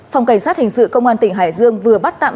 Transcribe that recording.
phòng cảnh sát hình sự công an tỉnh hải dương vừa bắt tạm